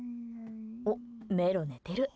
おっ、メロ寝てる。